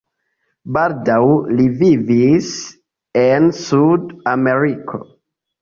Baldaŭ li vivis en Sud-Ameriko.